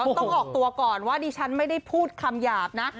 ต้องออกตัวก่อนว่าดิฉันไม่ได้พูดคำหยาบนะ